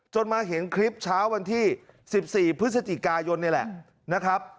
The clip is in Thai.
มาเห็นคลิปเช้าวันที่๑๔พฤศจิกายนนี่แหละนะครับ